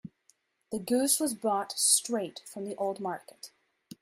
The goose was brought straight from the old market.